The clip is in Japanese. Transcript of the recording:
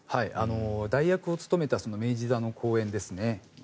代役を務めた明治座の公演ですね。